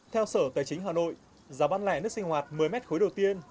theo sở tài chính hà nội giá bán lẻ nước sinh hoạt một mươi mét khối đầu tiên